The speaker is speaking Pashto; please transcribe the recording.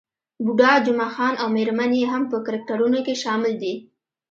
بوډا جمعه خان او میرمن يې هم په کرکټرونو کې شامل دي.